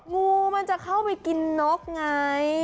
งูมันจะเข้าไปกินนกไง